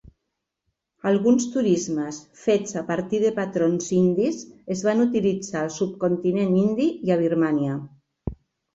Alguns turismes fets a partir de patrons indis es van utilitzar al subcontinent indi i a Birmània.